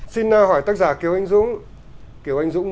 xin hỏi tác giả kiều anh dũng